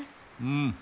うん。